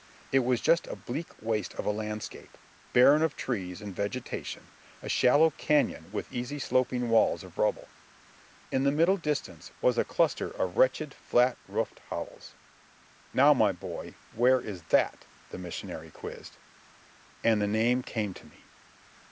It was just a bleak waste of a landscape, barren of trees and vegetation, a shallow canyon with easy sloping walls of rubble. In the middle distance was a cluster of wretched, flat roofed hovels. "Now, my boy, where is that?" the missionary quizzed. And the name came to me!